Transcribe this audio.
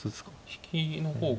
引きの方が。